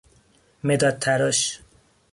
مداد تراش